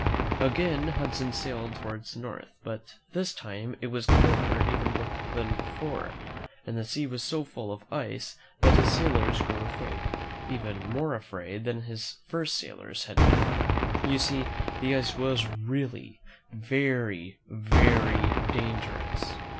Again Hudson sailed towards the north, but this time it was colder even than before, and the iO? ^^t' ^^: THE MEN WHO FOUND AMERIC m ,■/;:,/:• fjj'^ ^fttt sea was so full of ice that his sailors grew afraid, even more afraid than his first sailors had been. You see the ice was really very, very dangerous.